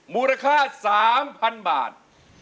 มูลค่า๓๐๐๐บาท